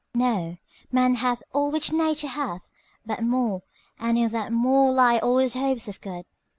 Know, man hath all which Nature hath, but more, And in that more lie all his hopes of good.